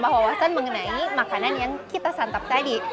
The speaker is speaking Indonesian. kita juga menambah wawasan mengenai makanan yang kita santap tadi